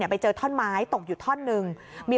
ไปเจอท่อนไม้ตกอยู่ท่อนหนึ่ง